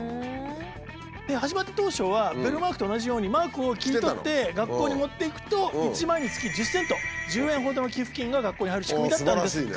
で始まった当初はベルマークと同じようにマークを切り取って学校に持っていくと１枚につき１０セント１０円ほどの寄付金が学校に入る仕組みだったんですが。